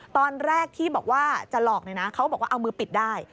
ตอนแรกที่บอกว่าจะหลอกเนี่ยนะเขาบอกว่าเอามือปิดได้